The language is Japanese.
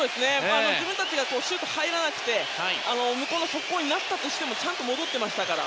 自分たちのシュートが入らなくて向こうの速攻になったとしてもちゃんと戻ってましたから。